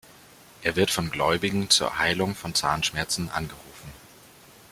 Er wird von Gläubigen zur Heilung von Zahnschmerzen angerufen.